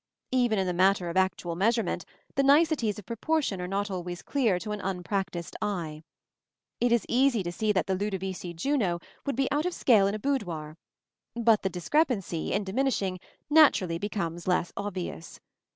Even in the matter of actual measurement, the niceties of proportion are not always clear to an unpractised eye. It is easy to see that the Ludovisi Juno would be out of scale in a boudoir, but the discrepancy, in diminishing, naturally becomes less obvious.